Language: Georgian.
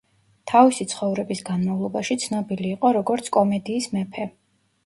თავისი ცხოვრების განმავლობაში, ცნობილი იყო როგორც „კომედიის მეფე“.